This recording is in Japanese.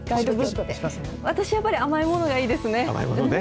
私やっぱり、甘いものがいい甘いものね。